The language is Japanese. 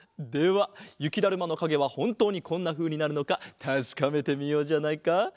ではゆきだるまのかげはほんとうにこんなふうになるのかたしかめてみようじゃないか。